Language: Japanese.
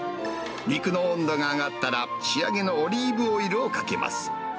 肉の温度が上がったら、仕上げのオリーブオイルをかけます。